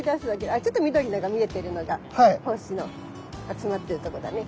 あっちょっと緑のが見えてるのが胞子の集まってるとこだね。